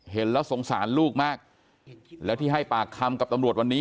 เห็นแล้วสงสารลูกมากแล้วที่ให้ปากคำกับตำรวจวันนี้